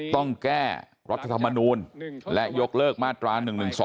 ต้องแก้รัฐธรรมนูลและยกเลิกมาตรา๑๑๒